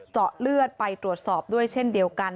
เจาะเลือดไปตรวจสอบด้วยเช่นเดียวกัน